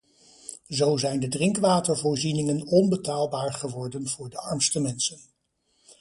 Zo zijn de drinkwatervoorzieningen onbetaalbaar geworden voor de armste mensen.